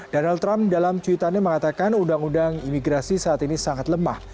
donald trump dalam cuitannya mengatakan undang undang imigrasi saat ini sangat lemah